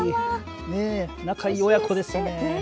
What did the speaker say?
仲のいい親子ですね。